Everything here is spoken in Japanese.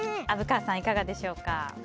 虻川さん、いかがでしょうか？